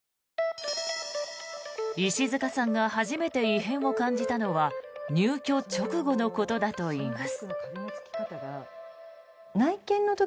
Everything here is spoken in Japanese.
石塚さんが初めて異変を感じたのは入居直後のことだといいます。